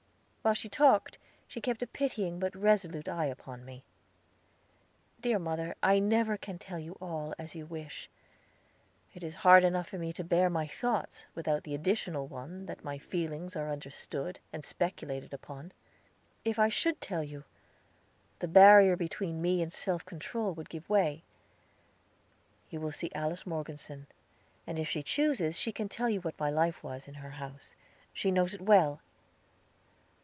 While she talked, she kept a pitying but resolute eye upon me. "Dear mother, I never can tell you all, as you wish. It is hard enough for me to bear my thoughts, without the additional one that my feelings are understood and speculated upon. If I should tell you, the barrier between me and self control would give way. You will see Alice Morgeson, and if she chooses she can tell you what my life was in her house. She knows it well."